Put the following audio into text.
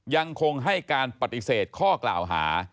ยังคงให้การปฏิเสธข้อกล่าวหา